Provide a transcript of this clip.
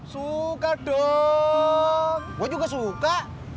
suka dong gue juga suka